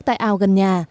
tại ao gần nhà